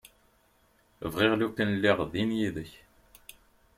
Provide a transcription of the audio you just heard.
Bɣiɣ lukan lliɣ din yid-k.